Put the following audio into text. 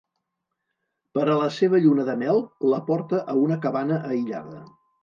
Per a la seva lluna de mel, la porta a una cabana aïllada.